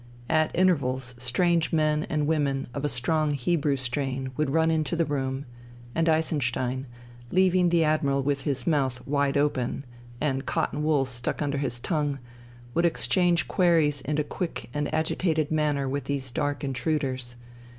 At intervals strange men and women of a strong Hebrew strain would run into the room, and Eisenstein, leaving the Admiral with his mouth wide open and cotton wool stuck under his tongue, would exchange queries in a quick and agitated manner with these dark intruders.